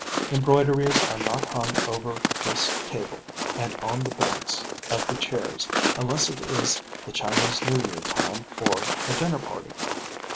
Embroideries are not hung over this table and on the backs of the chairs, unless it is the Chinese New Year time or a dinner party.